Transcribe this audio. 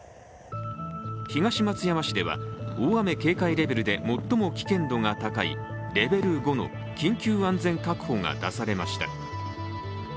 東松山市では、大雨警戒レベルで最も危険度が高いレベル５の緊急安全確保が出されました。